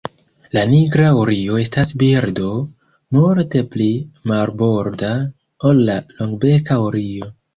La Nigra urio estas birdo multe pli marborda ol la Longbeka urio.